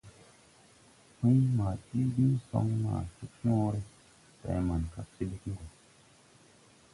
Pũy: «Ma tiʼ diŋ soŋ ma Cogcõõre, day Mankag silig gɔ.».